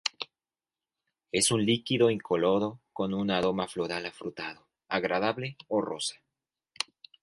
Es un líquido incoloro con un aroma floral afrutado agradable o rosa.